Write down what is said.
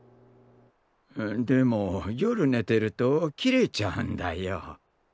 でも夜寝てると切れちゃうんだよ。